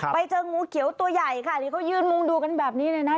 ไปเจองูเขียวตัวใหญ่ค่ะนี่เขายืนมุงดูกันแบบนี้เลยนะ